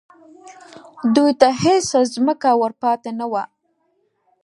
دوی ته هېڅ ځمکه ور پاتې نه وه